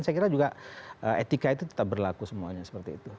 saya kira juga etika itu tetap berlaku semuanya seperti itu